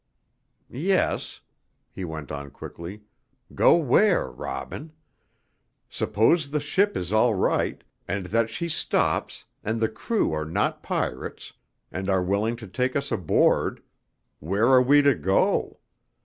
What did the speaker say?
Yes," he went on quickly, "go where, Robin. Suppose the ship is all right, and that she stops, and the crew are not pirates, and are willing to take us aboard, where are we to go?